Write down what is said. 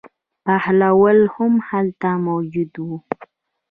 بهلول هم هلته موجود و.